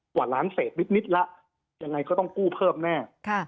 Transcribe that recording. กว่าล้านเศษนิดละยังไงก็ต้องกู้เพิ่มแน่